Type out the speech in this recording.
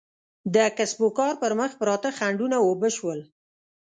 د کسب و کار پر مخ پراته خنډونه اوبه شول.